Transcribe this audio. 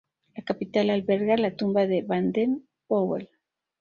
La capital alberga la tumba de Baden-Powell.